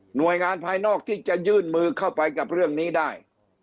หน่วยงานภายนอกที่จะยื่นมือเข้าไปกับเรื่องนี้ได้